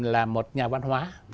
là một nhà văn hóa